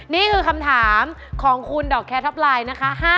นี่คือคำถามของคุณดอกแคร์ท็อปไลน์นะคะ